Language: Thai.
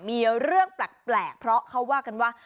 มีเรื่องแปลกเพราะเขาว่ากันว่า